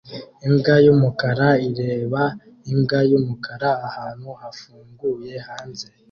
imbwa yumukara ireba imbwa yumukara ahantu hafunguye hanze